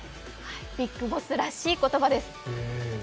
ビッグボスらしい言葉です。